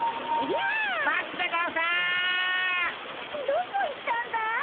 どこ行ったんだい？